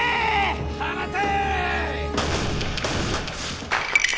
放て！